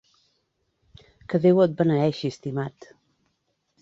Que Déu et beneeixi, estimat!